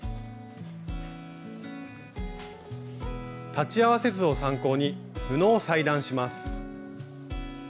裁ち合わせ図を参考に布を裁断します。